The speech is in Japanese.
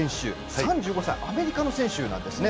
３５歳アメリカの選手ですね。